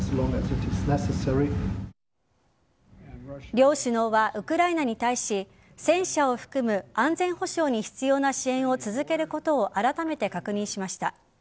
両首脳はウクライナに対し戦車を含む安全保障に必要な支援を続けることをあらためて確認しました。